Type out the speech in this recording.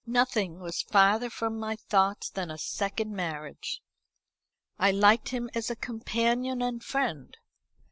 Nothing was farther from my thoughts than a second marriage. I liked him as a companion and friend.